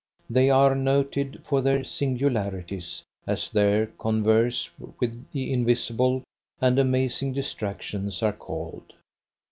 They are noted for their singularities, as their converse with the invisible and amazing distractions are called.